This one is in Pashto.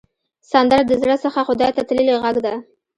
سندره د زړه څخه خدای ته تللې غږ ده